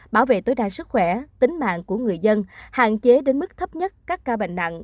bảo vệ tối đa sức khỏe tính mạng của người dân hạn chế đến mức thấp nhất các ca bệnh nặng